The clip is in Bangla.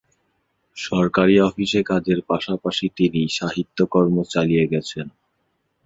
সরকারি অফিসে কাজের পাশাপাশি তিনি সাহিত্যকর্ম চালিয়ে গেছেন।